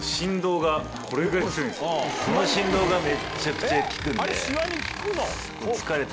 この振動がめっちゃくちゃ効くんで。